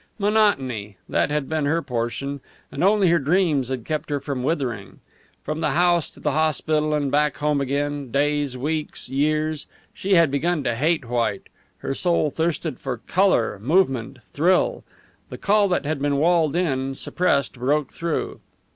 Monotony that had been her portion, and only her dreams had kept her from withering. From the house to the hospital and back home again, days, weeks, years. She had begun to hate white; her soul thirsted for colour, movement, thrill. The call that had been walled in, suppressed, broke through.